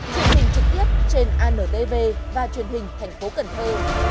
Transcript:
truyền hình trực tiếp trên antv và truyền hình thành phố cần thơ